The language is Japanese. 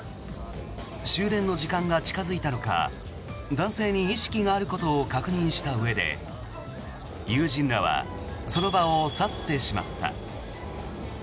終電の時間が近付いたのか男性に意識があることを確認したうえで友人らはその場を去ってしまった。